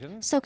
theo kế hoạch